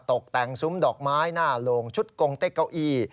ตกแต่งซุ้มดอกไม้หน้าโลงชุดกงเต็กเก้าอี้